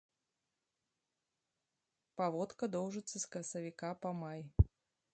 Паводка доўжыцца з красавіка па май.